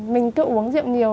mình cứ uống rượu nhiều